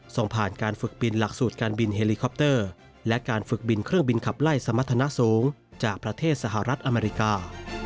ส่งผ่านการฝึกบินหลักสูตรการบินเฮลิคอปเตอร์และการฝึกบินเครื่องบินขับไล่สมรรถนะสูงจากประเทศสหรัฐอเมริกา